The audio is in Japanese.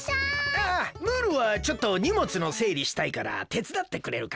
ああムールはちょっとにもつのせいりしたいからてつだってくれるか？